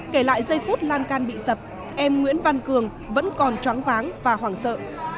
kể lại giây phút lan can bị sập em nguyễn văn cường vẫn còn choáng váng và hoàng sợ